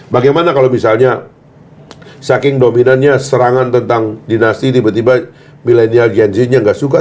bagaimana kalau misalnya saking dominannya serangan tentang dinasti tiba tiba milenial gen z nya nggak suka